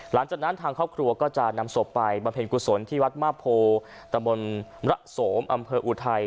หลังจากนั้นทางครอบครัวก็จะนำศพไปบำเพ็ญกุศลที่วัดมาพโพตะบนระโสมอำเภออุทัย